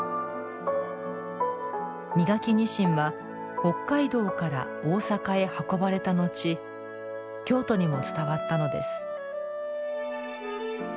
身欠きにしんは北海道から大阪へ運ばれた後京都にも伝わったのです。